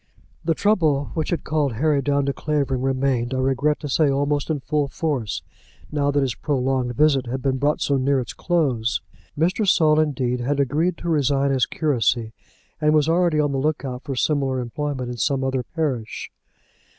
The trouble which had called Harry down to Clavering remained, I regret to say, almost in full force now that his prolonged visit had been brought so near its close. Mr. Saul, indeed, had agreed to resign his curacy, and was already on the look out for similar employment in some other parish.